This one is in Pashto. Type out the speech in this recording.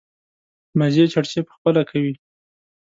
مزې چړچې په خپله کوي.